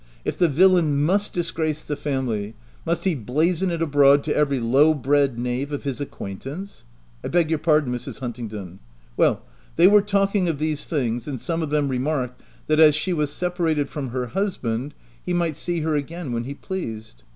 If the villain must disgrace the family, must he blazon it abroad to every low bred knave of his acquaintance ?— I beg your pardon, Mrs. Huntingdon. Well, they were talking of these things, and some of them re marked that, as she was separated from her husband, he might see her again when he pleased."